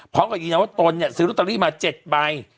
พร้อมกับยีนวัตตนซื้อรอตเตอรี่มา๗ใบ